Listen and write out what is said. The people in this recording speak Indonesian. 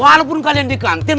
walaupun kalian di kantin